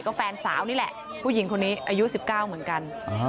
ก็แฟนสาวนี่แหละผู้หญิงคนนี้อายุ๑๙เหมือนกัน